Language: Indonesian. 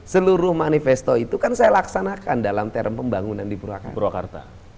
seluruh manifesto itu kan saya laksanakan dalam term pembangunan di purwakarta